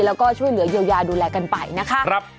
แล้วก็ช่วยเหลือเยียวยาดูแลกันไปนะคะ